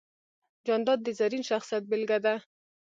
جانداد د زرین شخصیت بېلګه ده.